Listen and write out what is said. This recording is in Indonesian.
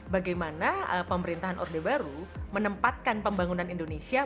bagaimana pemerintahan orde baru menempatkan pembangunan indonesia